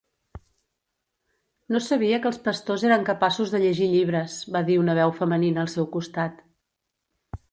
"No sabia que els pastors eren capaços de llegir llibres", va dir una veu femenina al seu costat.